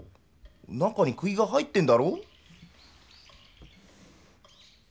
中にくぎが入ってんだろ！